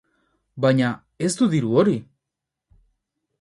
Baina, ez du diru hori.